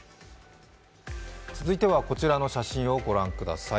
続いては、こちらの写真をご覧ください。